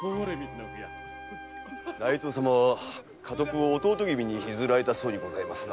内藤様は家督を弟君に譲られたそうにございますな。